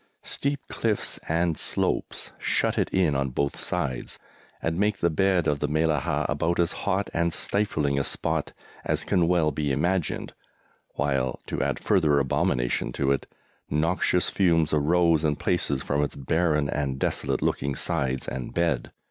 Steep cliffs and slopes shut it in on both sides, and make the bed of the Mellahah about as hot and stifling a spot as can well be imagined, while, to add further abomination to it, noxious fumes arose in places from its barren and desolate looking sides and bed.